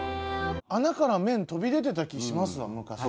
穴から麺飛び出てた気しますわ昔。